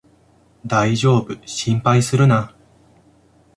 だいじょうぶ、心配するな